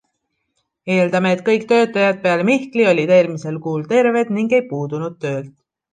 Eeldame, et kõik töötajad peale Mihkli olid eelmisel kuul terved ning ei puudunud töölt.